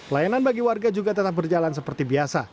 layanan bagi warga juga tetap berjalan seperti biasa